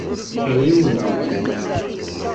Terra-yawen-t-id.